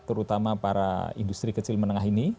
terutama para industri kecil menengah ini